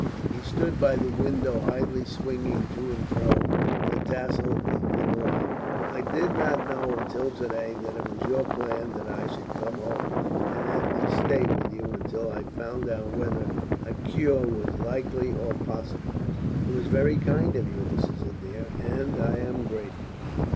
He stood by the window idly swinging to and fro the tassel of the blind. "I did not know until to day that it was your plan that I should come home and Ethne stay with you until I found out whether a cure was likely or possible. It was very kind of you, Mrs. Adair, and I am grateful."